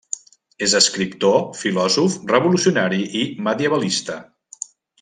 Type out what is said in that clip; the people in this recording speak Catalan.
És escriptor, filòsof revolucionari i medievalista.